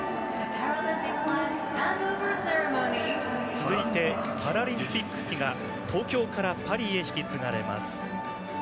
続いてパラリンピック旗が東京からパリへ引き継がれます。